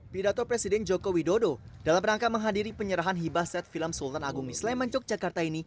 pidato presiden joko widodo dalam rangka menghadiri penyerahan hibah set film sultan agung di sleman yogyakarta ini